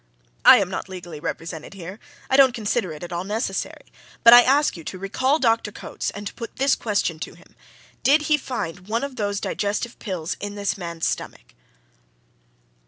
I am not legally represented here I don't consider it at all necessary but I ask you to recall Dr. Coates and to put this question to him: Did he find one of those digestive pills in this man's stomach?"